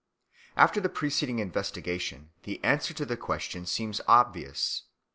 After the preceding investigation the answer to the question seems obvious.